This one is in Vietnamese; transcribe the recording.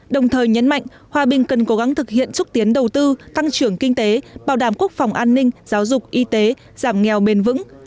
đồng thời nhấn mạnh hòa bình cần cố gắng thực hiện xúc tiến đầu tư tăng trưởng kinh tế bảo đảm quốc phòng an ninh giáo dục y tế giảm nghèo bền vững